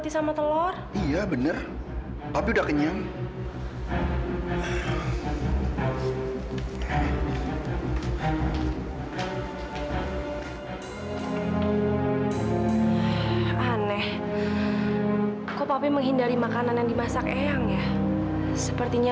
sampai jumpa di video selanjutnya